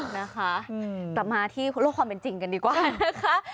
นะคะกลับมาที่โลกความเป็นจริงกันดีกว่านะคะ